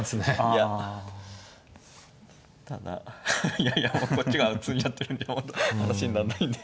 いやただいやいやもうこっちが詰んじゃってるんじゃ本当話になんないんで。